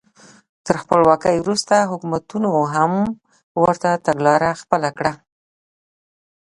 تر خپلواکۍ وروسته حکومتونو هم ورته تګلاره خپله کړه.